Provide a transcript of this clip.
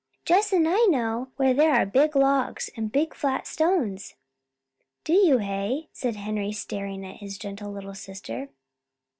"Jess and I know where there are big logs, and big flat stones." "You do, hey?" said Henry staring at his gentle little sister.